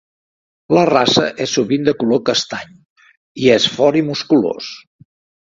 La raça és sovint de color castany, i és fort i musculós.